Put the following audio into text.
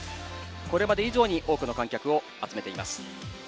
これまで以上に多くの観客を集めています。